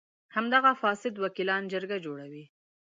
همدغه فاسد وکیلان جرګه جوړوي.